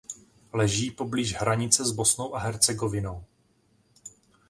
Leží poblíž hranice s Bosnou a Hercegovinou.